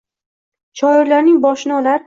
Shoirlarning boshini olar.